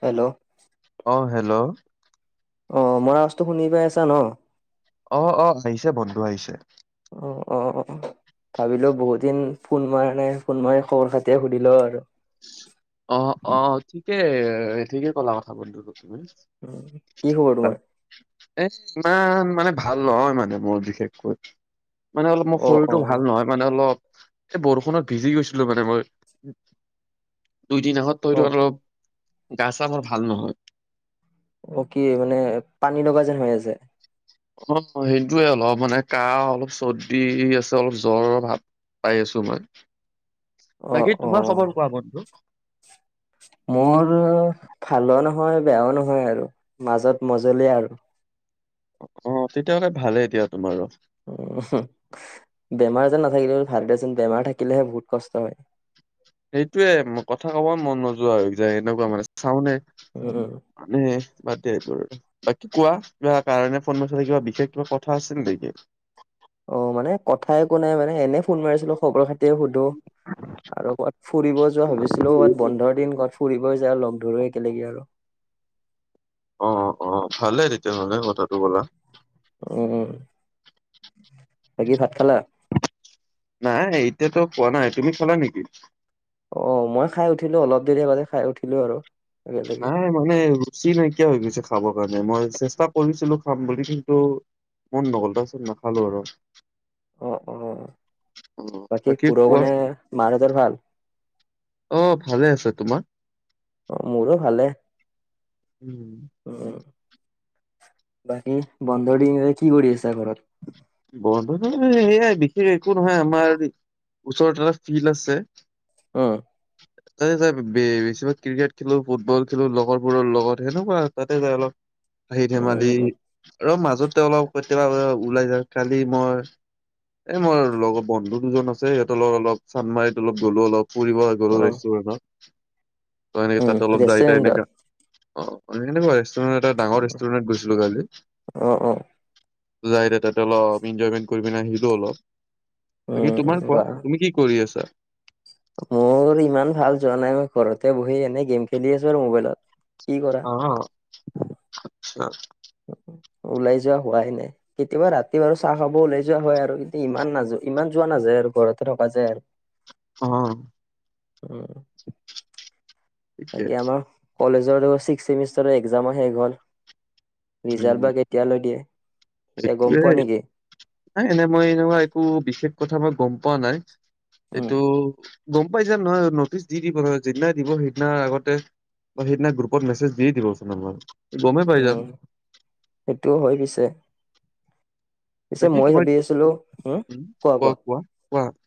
Hello! অ' hello! অ' আওৱাজটো শুনি পাই আছা ন? অ' অ' আহিছে, বন্ধ আহিছে। অ' অ' অ' অ'। ভাবিলো বহুত দিন ফোন মৰা নাই, ফোন মাৰি খবৰ খাতিয়ে সুধি লওঁ আৰু। অ' অ' ঠিকে ঠিকে ক'লা কথা বন্ধু এইটো। উম, কি খবৰ তোমাৰ? এ ইমান মানে ভাল নহয় মানে মোৰ বিশেষকৈ। মানে অলপ মোৰ অ অ শৰীৰটো ভাল নহয় মানে অলপ। এই বৰষুণত ভিজি গৈছিলো মানে মই। দুইদিন আগত অ তইতো অলপ গা-চা মোৰ ভাল নহয়। অ' কি মানে, পানী লগা যেন হৈ আছে। অঁ অঁ সেইটয়ে অলপ মানে কাহ, অলপ চৰ্দি, আছে অলপ জ্বৰৰ ভাৱ পাই আছো মই, অ বাকী অ তোমাৰ খবৰ কোৱা বন্ধু? মোৰ খালো নহয় বেয়াও নহয় আৰু নহ'য় মাজত মজলিয় আৰু অঁ তেতিয়াহ'লে ভালেই দিয়া এতিয়া তোমাৰো। উম হু। বেমাৰ যেন নাথাকিলেও ভাল দে চোন বেমাৰ থাকিলেহে বহুত কষ্ট হয়। এইটোয়ে কথা ক'ব মন নোযোৱা হৈ যায় এনেকুৱা মানে চাওনে এ [unintelligible] বাদ দিয়া এইবোৰ বাকি কোৱা কিবা কাৰণে ফোন মাৰচিলা কিবা বিশেষ কিবা কথা আছিল নে নেকি? অ' মানে কথাই একো নাই মানে এনে ফোন মাৰিছিলোঁ খবৰ খাতি তে সুধো আৰু ক'ত ফুৰিব যোৱা ভাবিছিলোঁ ক'ৰবাত বন্ধৰ দিন ক'ত ফুৰিব যে আৰু লগ ধৰো একলেগে আৰু অ' অ' ভালেই তেতিয়া হ'লে কথাটো ক'লা। উম, বাকী ভাত খালা? নাই এতিয়াতো খোৱা নাই, তুমি খালা নেকি? অ' মই খাই উঠিলোঁ অলপ দেৰি আগতে খাই উঠিলোঁ আৰু একেলগে নাই মানে ছি নাইকিয়া হৈ গৈছে খাবৰ কাৰণে মই চেষ্টা কৰিছিলোঁ খাম বুলি। কিন্তু মন নগ'ল তাৰপাছত নাখালোঁ আৰু অ' অ' অ বাকী কোৱা পুৰবানে মাৰ দেউতাৰ ভাল? অ' ভালে আছে, তোমাৰ? অ' মোৰো ভালে। উম। উম বাকী বন্ধৰ দিন কেইটা কি কৰি আছা ঘৰত? বন্ধ সেয়াই বিশেষ একো নহয় আমাৰ ওচৰত ধৰ ফিল্ড আছে। অহ' তাতে যাই বেছিভাগ ক্ৰিকেট খেলোঁ, ফুটবল খেলোঁ, লগৰবোৰৰ লগত সেনেকুৱা তাতে যাই অলপ হাঁহি ধেমালি উম ৰ মাজতে অলপ কেতিয়াবা ওলাই যায় কালি মই এই মোৰ লগৰ বন্ধু দুজন আছে। সিহঁতৰ লগৰ অলপ চানমাৰিত অলপ গ'লো অলপ ফুৰিব গ'লো অ ৰেষ্টুৰেণ্টত অ' এনেকে উম তাতে অলপ যায়তাই ৰেষ্টুৰেণ্টত এনেকা। অ', [unintelligible] ৰেষ্টুৰেট এটা ডাঙৰ ৰেষ্টুৰেণ্ট গৈছিলোঁ কালি। অ অ যায় দে তাতে অলপ ইনজয়মেণ্ট কৰি পিনে আহিলোঁ অলপ। বাকী তোমাৰ উম কোৱা? বাহ তুমি কি কৰি আছা? মোৰ ইমান ভাল যোৱা নাই, মই ঘৰতে বহি এনেই গেম খেলি আছোঁ আৰু মোবাইলত। কি কৰা অ', আচ্ছা। ওলাই যোৱা হোৱাই নাই, কেতিয়াবা ৰাতি বাৰু চাহ খাব ওলাই যোৱা হয়, আৰু কিন্তু ইমান নাযো-ইমান যোৱা না যায় আৰু ঘৰতে থকা যায় আৰু। অ'। উম। বাকী আমাৰ [unintelligible] কলেজৰ ছিক্স চেমিষ্টাৰৰ একজামো শেষ হ'ল, উম ৰিজাল্ট বা কেতিয়ালৈ দিয়ে? এতিয়া গম এইটোয়ে, পোৱা নেকি এনে মই এনেকুৱা একো বিশেষ কথা মই গম পোৱা নাই। উম এইটো গম পাই যাম নহয়, নটিচ দি দিব নহয়, যিদিনা দিব সিদিনা আগতে সেইদিনা গ্ৰুপত মেছেজ দি দিবচোন আমাক। উম, সেইটোও হয়, পিছে। পিছে বাকী মই তোমাৰ ভাবি আছিলোঁ উম, কোৱা, কোৱা।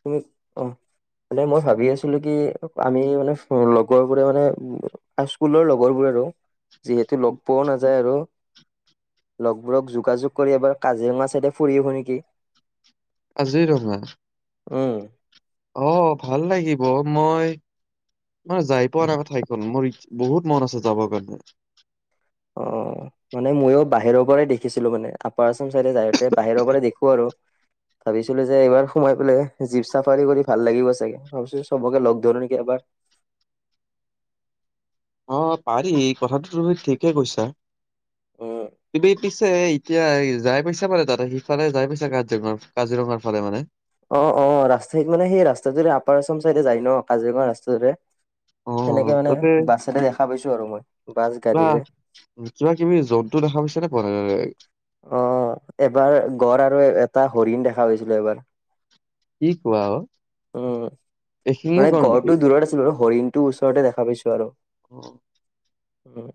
তুমি অহ। মানে মই ভাবি আছিলোঁ কি, আমি মানে লগৰবোৰে মানে আ, স্কুলৰ লগৰবোৰে আৰু। যিহেতু লগ পোৱাও নাযায় আৰু লগবোৰক যোগাযোগ কৰি এবাৰ কাজিৰঙা চাইডে ফুৰি আহোঁ নেকি? কাজিৰঙা? উম। অ', ভাল লাগিব, মই মানে যায় পোৱা নাই, ঠাইখন মোৰ বহুত মন আছে, যাবৰ কাৰণে। অ' মানে ময়ো বাহিৰৰ পৰাই দেখিছিলোঁ মানে আপাৰ আচাম চাইডে যায়তে বাহিৰৰ পৰাই দেখো আৰু ভাবিছিলো যে এইবাৰ সোমাই পেলাই জীপ চাফাৰী কৰি ভাল লাগিব চাগে। ভাবিছো চবকে ল'গ ধৰো নেকি এবাৰ, [inaudible] অঁ পাৰি এ কথাটো তুমি ঠিকেই কৈছা। উম তুমি পিছে এতিয়া এই যাই পাইছে মানে তাতে সিফালে যাই পাইছা কাজিৰঙা কাজিৰঙাৰ ফালে মানে? অঁ অঁ ৰাস্তাইত মানে সেই ৰাস্তাটোৰে আপাৰ আচম চাইডে যায় ন' কাজিৰঙা ৰাস্তাটোৰে। অ' অ' সেনেকে অ' মানে তাতে বাছেৰে দেখা পাইছো আৰু মই বাছ কিবা গাড়ীৰে কিবা কিবি জন্তু দেখা পাইছে? পঢ়াৰৰে অঁ এবাৰ গড় আৰু এটা হৰিণ দেখা পাইছিলো এবাৰ। কি কোৱা অ উম, এশিঙীয়া মানে গড় নেকি গড়টো দূৰত আছিলো বাৰু। ন হৰিণটো ওচৰতে দেখা পাইছো আৰু। অঁ উম।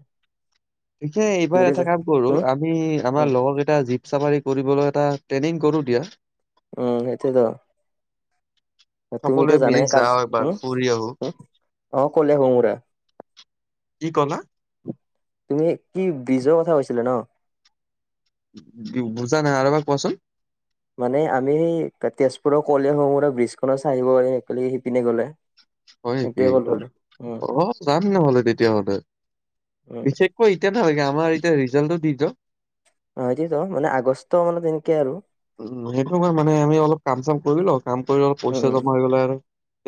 য়ে এইবাৰ তুমিতো এটা যা কাম কৰো উম আমি উম আমাৰ লগৰ কেইটা জি -প চাফাৰি কৰিবলৈ এটা ট্ৰেইনিং কৰো দিয়া। উম সেইটোতোয়ে ত' তুমিতো সকলোৱে মিলি জানাই কাজ, যাওঁ এবাৰ হুম ফুৰি আহো উম। অ কলে হ মৰা কি কলা? তুমি কি ব্ৰিজৰ কথা কৈছিলা ন? বুজা নাই আৰু এবাৰ কোৱাচোন? মানে আমি সেই তেজপুৰৰ কলিয়াভোমোৰা ব্ৰিজখনত চাইবৰে একেলগে শিপিনে গ'লে। হয় ইকি, সেইটোৱে ক'লো আৰু উম অ যাম নহ'লে তেতিয়া হ'লে উম বিশেষকৈ এতিয়া ধ এতিয়া আমাৰ এতিয়া ৰিজাল্টটো দি দ অ এতিয়া ত মানে আগষ্ট মানে তেনেকে আৰু। উ সেইটো মা মানে আমি অলপ কাম চাম কৰি ল কাম কৰি অলপ উম পইচা উম জমা হৈ গ'লে আৰু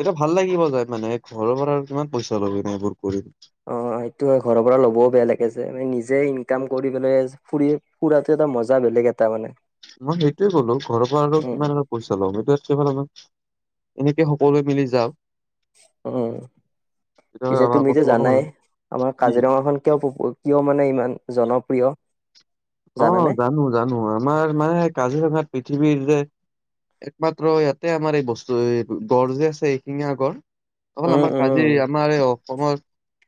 ইতা ভাল লাগিব যায় মানে ঘৰৰ পৰা আৰু কিমান পইচা ল'বি নাই এইবোৰ কৰি। অ সেইটো হয় ঘৰৰ পৰা ল'বও বেয়া লাগে মানে নিজে যে ইনকাম কৰি পেলাই ফুৰি ফুৰাতো এটা মজা বেলেগ এটা মানে। মই সেইটোয়ে ক'লো ঘৰৰ পৰা আৰু উম কিমান এটা পইচা লম সেটোৱে এইফালেপা এনেকে সকলোৱে মিলি যাপ অ। তেতিয়াহ'লে পিছে আমাৰ আকৌ তুমিতো তোমাকো ভাল জানাই আমাৰ কি কাজিৰঙাখন কিয় পপ কিয় মানে ইমান জনপ্ৰিয়? অ জানানে জানো জানো আমাৰ মানে কাজিৰঙাত পৃথিৱীৰ যে একমাত্ৰ ইয়াতে আমাৰ এই বস্তু গড় যে আছে এশিঙীয়া গড় তখন উম আমাৰ কাজি উম আমাৰে অ অসমৰ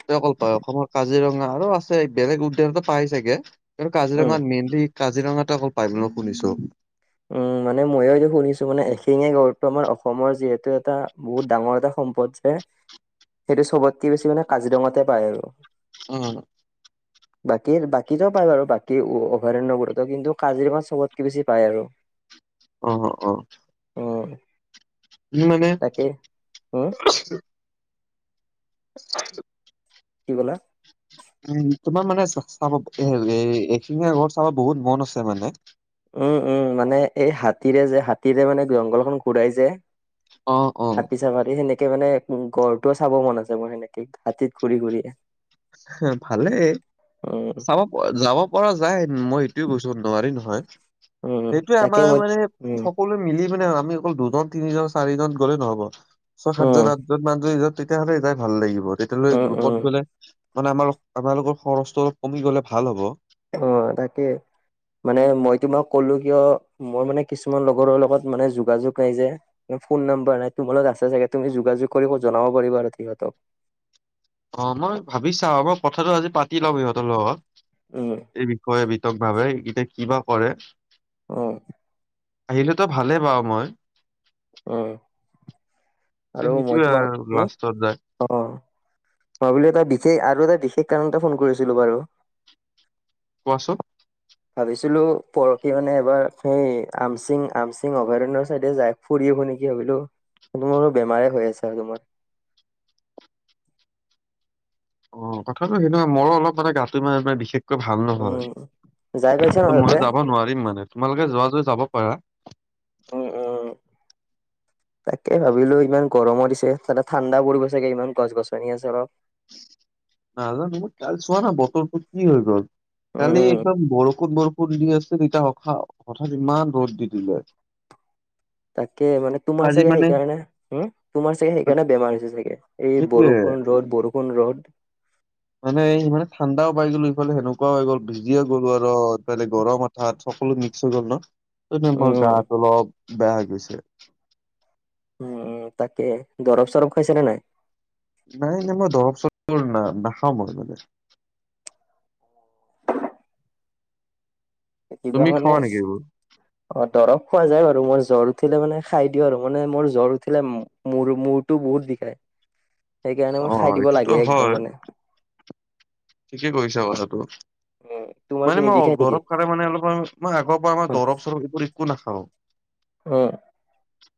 তে অকল পায় অসমৰ কাজিৰঙা আৰু আছে বেলেগ উদ্যানতো পাই চাগে। উম কাজিৰঙা মেইনলি কাজিৰঙা অকল পায় বোলো শুনিছো। উম মানে মইও এতিয়া শুনিছো মানে এশিঙীয়া গড়টো আমাৰ অসমৰ যিহেতু এটা বহুত ডাঙৰ এটা সম্পদ যে সেইটো চবতকে বেছি মানে কাজিৰঙাতে পায় আৰু। অ', বাকী- বাকীটো পায় বাৰু বাকী অভয়াৰণ্যবোৰতো কিন্তু কাজিৰঙা চবতকে বেছি পায় আৰু। অ', অ', অ', উম, মানে [unintelligible] [unintelligible] কি ক'লা? উম, তোমাৰ মানে [unintelligible] এখিঙীয়া গড় চাব বহুত মন আছে মানে। উম-উম মানে এই হাতীৰে যে হাতীৰে মানে জংঘলখন ঘূৰাই যে অ অ হাতী চাবাৰী সেনেক এ মানে ঘৰটোও চাব মন আছে মোৰ সেনেকে হাতীত ঘূৰি ঘূৰি হ ভালে উম, চাব যাব পৰা যায় মই সেইটোয়ে বৈছো নোৱাৰি নহয় উম, সেইটো তাকে আমাৰ মই মানে উম, সকলোৱে মিলি মানে আমি অকল দুজন তিনিজন চাৰিজন গ'লে নহব ছয় উম, সাতজন আাতজন মানত তেতিয়াহ'লে যাই ভাল লাগিব তেতিয়াহ'লে উম, গ্ৰুপত উম, গ'লে মানে আমাৰ আমাৰালোকৰ খৰচটো অলপ কমি গ'লে ভাল হ'ব অ তাকেই মানে মই তোমাক কলো কিয় মই মানে কিছুমান লগৰৰ লগত মানে যোগাযোগ নাই যে ফোন নাম্বাৰ নাই তোমাল লগোক আছে চাগে তুমি যোগাযোগ কৰিব জনাব পাৰিবা আৰু সিহঁতক অ মই ভাবিছা আ কথাটো আজি পাতি লম সিহঁতৰ লগত উম, এই বিষয়ে ভাৱে এইকেইটয়া কিবা কৰে অ আহিলেতো ভালেই পা মই উ আৰু মই সেইটোয়ে তোমাক হ লাষ্টত যায় অ ভাবিলো এ তটা সেই আৰু এটা বিশেষ কাৰণতে ফোন কৰিছিলো বাৰু কোৱাচোন ভাবিছিলো পৰহি মানে এবাৰ সেই আমচিং আমচিং অভয়াৰণৰ চাইদে য ফুৰি শুনিেকি ভাবিলো তোমাৰো বেমাৰে হৈ আছে আৰু তোমাৰ অ কথাটো সেটো মোৰো অলপ মানে গাটো মানেে বিশেষ ভাল উম, নহয় যাই পাইছা ন তাতে? মই যাব নোৱাৰিম মানে তোমালোকে যোৱা য যাব [unintelligible] অহ অহ তাকে ভাবিলো ইমান গৰমো দিছে তাতে ঠাণ্ডা পৰিব চাগে ইমান গছ গছনি আছে অলপ [inaudible] নাজানো কাল চোৱা না বতৰটো কি হৈ গল কালি উম একদম বৰষ খুব বৰষুণ দি আছিল ইতা অখা হঠাৎ ইমান ৰ'দ দি দিলে তাকে মানে তোমাৰ আজি চাগে মানে সেইকাৰণে হুম তোমাৰ চাগে সেইকাৰণে বেমাৰ হৈছে চাগে এই সেইটোয়ে বৰষুণ বৰষুণ ৰ'দ বৰষুণ ৰ'দ মানে ই মানে ঠাণ্ডাও পাই গ'লো ইফালে সেনেকুৱাও হৈ গ'ল ভিজিয়ে গ'লো আৰু ইফালে গৰম আঠাত সকলো মিস্ক গ'ল ন হেকাৰণে মো উম গাটো অলপ বেয়া হৈ গৈছে উম উম তাকে দৰব চৰব খাইছা নে নাই নাই মানে দৰৱ চৰৱ না নাখাওঁ মই এনেকে এ কিবা তুমি মানে খোৱা নেকি এইবোৰ? অ দৰৱ খোৱা যায় বাৰু মই জ্বৰ উঠিলে মানে খাই দিওঁ আৰু মানে মোৰ জ্বৰ উঠিলে মূ মূৰটো বহুত বিষায় সেইকাৰণে অ মই খাই দিব এইটোতো লাগে হয় একদম মানে ঠিকে কৰিছা কথাটো উম তোমাৰ কি মানে মই নিবিষাই নেকি দৰৱ খালে মানে অলমান মই আগৰ পৰা আমাৰ অ দৰৱ চৰৱ এইবোৰ একো নাখাওঁ অ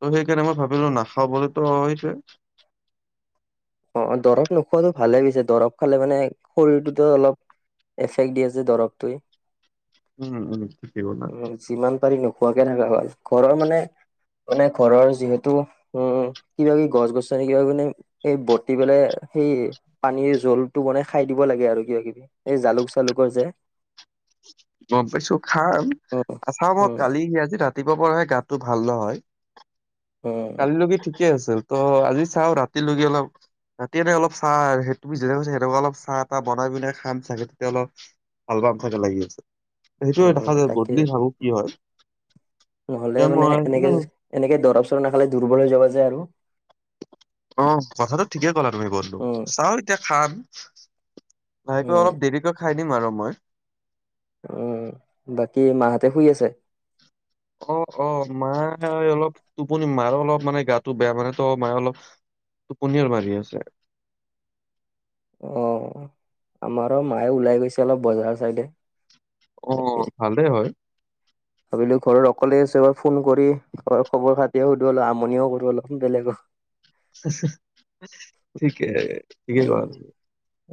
ত' সেইকাৰণে মই ভাবিলো নাখাবলেতো সেইটৱে অ দৰৱ নোখোৱাটো ভালে পিছে দৰব খালে মানে শৰীৰটোতো অলপ এফেক্ট দিয়ে যে দৰৱটোৱে উম উম ঠিকে ক'লা। উ যিমান পাৰি নোখোৱাকে থাকা হয় ঘৰৰ মানে মানে ঘৰৰ যিহেতু উম কিবা কিবি গছ গছনি কিবা কিবি এনেই এই বতি পেলাই সেই পানীৰ জলটো বনাই খাই দিব লাগে আৰু কিবা কিবি এই জালুক চালুকত যে গম পাইছো খাম উম আ চা মই উম কালি আজি ৰাতি ৰাতি পুৱা পৰাহে গাটো ভাল নহয় উম কালি লৈকে ঠিকে ঠিকে আছিল ত' আজি চাও ৰাতিলৈকে অলপ ৰাতি এনে অলপ চাহ সেইটো যেনে সেনেকুৱা অলপ চাহ তাহ বনাই পিনে খাম চাগে অলপ আলবাম থাকে লাগি আছে সেইটোয়ে দেখা উম যায় তাকে বদলি ভাবো কি হয় নহলে এতিয়া মানে মই এনে এনেকে এনেকে দৰৱ চৰব নাখালে দুৰ্বল হৈ যাব যে আৰু অ কথাটো ঠিকে ক'লা তুমি বন্ধু উম চাও এতিয়া খাম ভাইেকে উম অলপ দেৰিকৈ খাই দিম আৰু মই উম বাকী মাহঁতে শুই আছে অ অ মায় অলপ টোপনি মাৰ অলপ মানে গাটো বেয়া মানে তো অ মায়ে অলপ টোপনীয়ে ঢাৰি আছে অ আমাৰো মায়ে ওলাই গৈছে অলপ বজাৰ চাইডে অ তাকে ভালেই হয় ভাবিলো ঘৰত অকলে আছে এাৰ ফোন কৰিা খবৰ খাতি সুধো অল আমনিও কৰো অলপ বেলেগৰ ঠিকে এইেই ব উম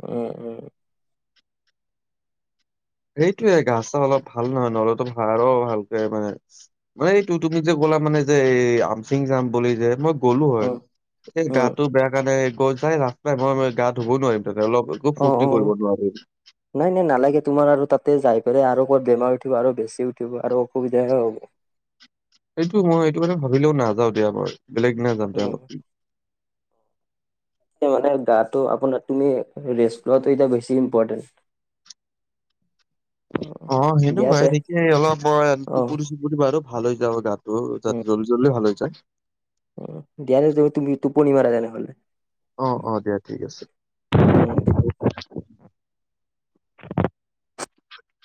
উম উম সেইটোয়ে গা চা অলপ ভাল নহয় নহলেতো ভাৰ ভালকে মানে মানে এইটো তুমি যে মানে যে এই আমফিং যাম বুলি যে মই গ'লো হয় উম এই উম গাটো বেয়া কাৰণে গৈ যাই ৰাস্তাই মই গা ধুব নোৱাৰিম ত অলপ একো অ ফূৰ্তি অ কৰিব নোৱাৰো নাই নাই নালাগে তোমাৰ আৰু তাতে যাই পেলাই আৰু ক'ত বেমাৰ উঠিব আৰু বেছি উঠিব আৰু অসুবিধাে হ'ব এইটো মই এইটো মানে ভাবিলেও নাযাওঁ দিয়া মই বেলেগ দিনা যাওঁ দে উম অলপ মানে গাটো আপোনাৰ তুমি ৰেষ্ট লোৱাটো এতিয়া বেছি ইম্পৰ্টেণ্ট [unintelligible] অ দিয়া সেনেকুৱা তে সিক অলপ অ টোপৰি চুপৰি ব আৰু ভাল হৈ যাব গাত ত তাতে জলদি জল্দি ভাল হৈ যায় উ দিয় তুমি টোপনি মাৰা তেনেহলে হলে অ অ দিয়া ঠিক আছে উম দিয়া